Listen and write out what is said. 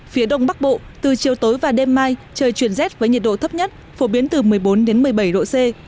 phía đông bắc bộ từ chiều tối và đêm mai trời chuyển rét với nhiệt độ thấp nhất phổ biến từ một mươi bốn một mươi bảy độ c